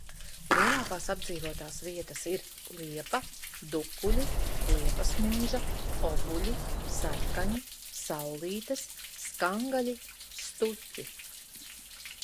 Lielākās apdzīvotās vietas ir Liepa, Dukuļi, Liepasmuiža, Obuļi, Sarkaņi, Saulītes, Skangaļi, Stuķi.